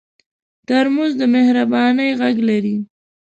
ترموز د مهربانۍ غږ لري.